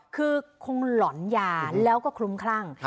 คือคงหลอนยาแล้วก็คลุ้มคลั่ง